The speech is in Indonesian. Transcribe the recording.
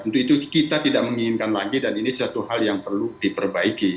untuk itu kita tidak menginginkan lagi dan ini satu hal yang perlu diperbaiki